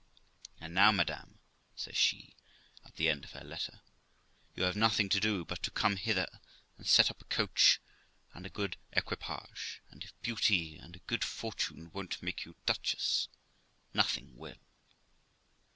'And now, madam', says she at the end of her letter, you have nothing to do but to come hither and set up a coach and a good equipage, and if beauty and a good fortune won't make you a duchess, nothing will.'